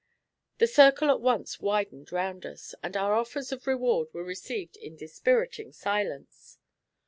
The circle at once widened round us, and our offers of reward were received in dispiriting silence.